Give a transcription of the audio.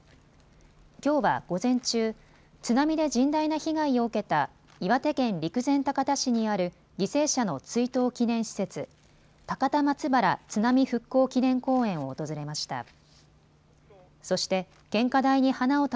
きょうは午前中、津波で甚大な被害を受けた岩手県陸前高田市にある犠牲者の追悼祈念施設、高田松原津波復興祈念公園を訪れました。